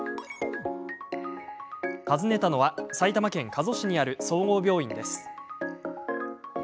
訪ねたのは埼玉県加須市にある総合病院です。